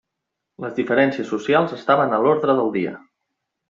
Les diferències socials estaven a l'ordre del dia.